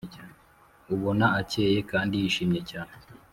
ubona akeye kandi yishimye cyane.